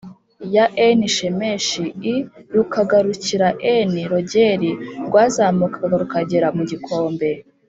Ya eni shemeshi l rukagarukira eni rogeli rwarazamukaga rukagera mu gikombe